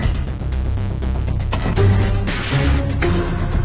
ตอนนี้ก็ไม่มีอัศวินทรีย์